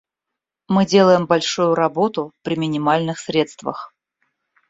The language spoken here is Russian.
Мы делаем большую работу при минимальных средствах.